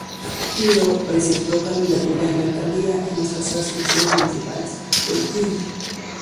Un partido presentó candidatura en la alcaldía en las pasadas elecciones municipales; El Ind.